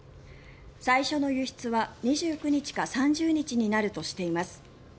最初の輸出は２９日か３０日になるとしています。